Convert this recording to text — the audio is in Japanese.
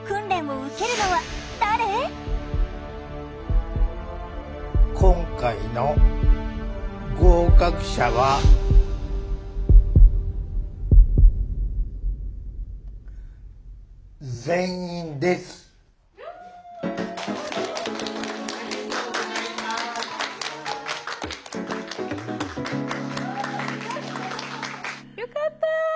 おめでとうございます。よかった。